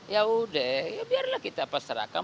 ya udah ya biarlah kita pasrahkan